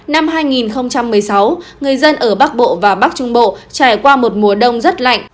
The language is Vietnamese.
năm hai nghìn một mươi sáu người dân ở bắc bộ và bắc trung bộ trải qua một mùa đông rất lạnh